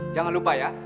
jangan lupa ya